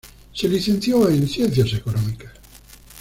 Se licenció en Ciencias Económicas.